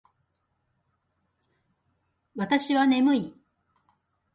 私は眠い